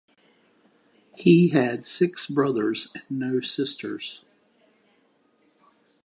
He had six brothers and no sisters.